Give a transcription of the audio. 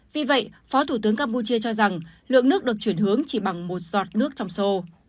vì vậy phó thủ tướng campuchia cho rằng lượng nước được chuyển hướng chỉ bằng một giọt nước trong sô